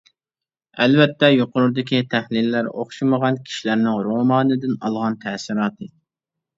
ئەلۋەتتە، يۇقىرىدىكى تەھلىللەر ئوخشىمىغان كىشىلەرنىڭ روماندىن ئالغان تەسىراتى.